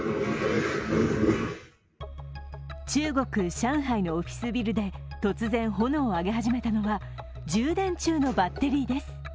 中国・上海のオフィスビルで突然炎を上げ始めたのは充電中のバッテリーです。